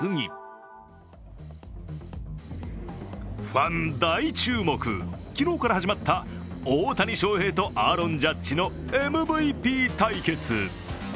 ファン大注目、昨日から始まった大谷翔平とアーロン・ジャッジのＭＶＰ対決。